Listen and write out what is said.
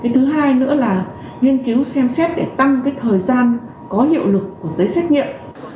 thứ hai nữa là nghiên cứu xem xét để tăng thời gian có hiệu lực của giấy xét nghiệm